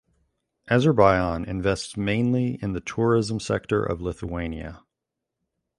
Azerbaijan invests mainly in the tourism sector of Lithuania.